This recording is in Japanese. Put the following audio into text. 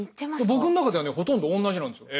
僕の中ではねほとんどおんなじなんですよ。